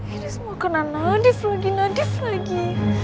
ini semua karena nadif lagi nadif lagi